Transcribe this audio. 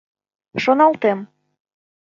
— Шоналтем...